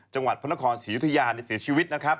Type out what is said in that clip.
จังหวัดพนครศิริยุธยาในศิริชีวิต